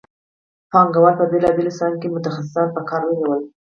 پانګوالو په بېلابېلو څانګو کې متخصصان په کار ونیول